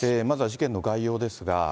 まずは事件の概要ですが。